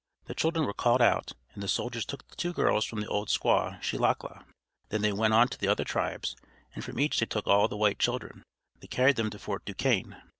The children were called out, and the soldiers took the two girls from the old squaw Shelackla. Then they went on to the other tribes, and from each they took all the white children. They carried them to Fort Duquesne.